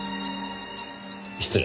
失礼。